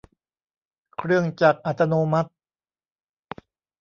เครื่องจักรอัตโนมัติ